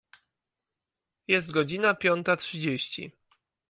Jest godzina piąta trzydzieści.